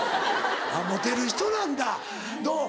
モテる人なんだ。どう？